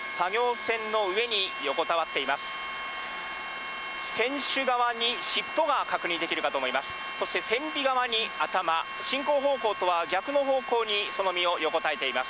船首側にしっぽが確認できるかと思います。